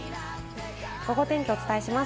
ゴゴ天気をお伝えします。